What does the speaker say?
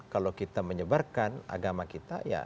kita menyebarkan agama kita